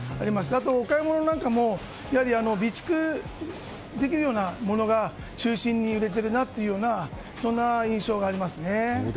あと、お買い物なんかも備蓄できるようなものを中心に売れているなというそんな印象がありますね。